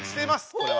これは。